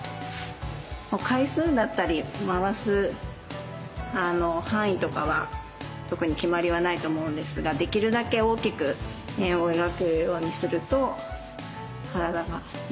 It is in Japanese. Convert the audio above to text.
回数だったり回す範囲とかは特に決まりはないと思うんですができるだけ大きく円を描くようにすると体が伸びると思います。